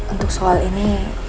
untuk soal ini